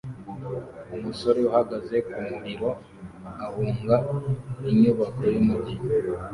Umusore uhagaze ku muriro ahunga inyubako yumujyi